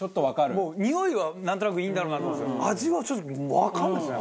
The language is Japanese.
もうにおいはなんとなくいいんだろうなと思うんですけど味はわかんないですね。